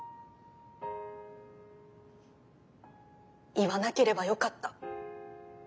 言わなければよかった。